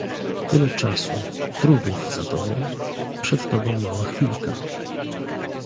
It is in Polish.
"Tyle czasu, trudów za tobą, przed tobą mała chwilka..."